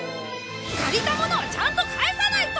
借りたものはちゃんと返さないと！